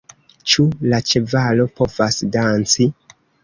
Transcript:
Ĉu la ĉevalo povas danci!?